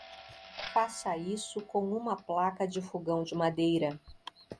Faça isso com uma placa de fogão de madeira.